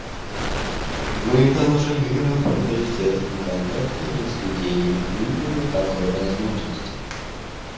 Мы должны работать в тесном контакте для сведения к минимуму такой возможности.